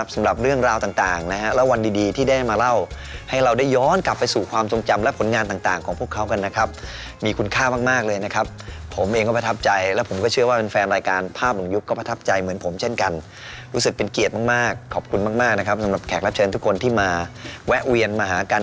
สำหรับทุกคนที่มาแวะเวียนมาหากัน